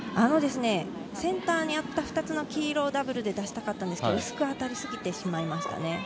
センターにあった２つの黄色をダブルで出したかったんですけれど薄く当たりすぎてしまいましたね。